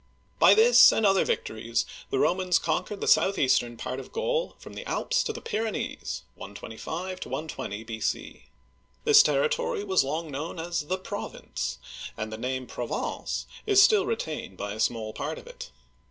By this and other victories the Romans conquered the southeastern part of Gaul, from the Alps to the Pyrenees (125 120 B.C.). This territory was long known as the Province, and the name Provence (pro vaNss') is still retained by a small part of it.